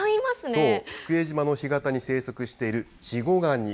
そう、福江島の干潟に生息しているチゴガニ。